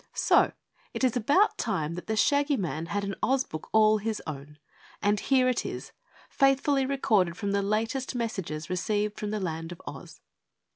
So, it is about time that the Shaggy Man had an Oz book all his own and here it is faithfully recorded from the latest messages received from the Land of Oz.